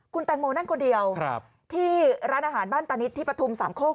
คุณแตงโมนั่งคนเดียวที่ร้านอาหารบ้านตานิดที่ปฐุมสามโคก